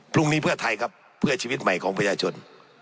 พรุ่งนี้เพื่อไทยครับเพื่อชีวิตใหม่ของประชาชน